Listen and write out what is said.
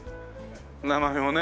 名前もね。